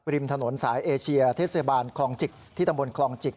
ริมถนนสายเอเชียเทศบาลคลองจิกที่ตำบลคลองจิก